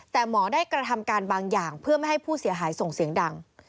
แต่หมอได้กระทำการบางอย่างเพื่อไม่ให้ผู้เสียหายส่งเสียงดัง